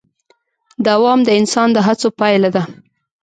دوام د انسان د هڅو پایله ده.